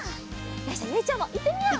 よしじゃあゆいちゃんもいってみよう！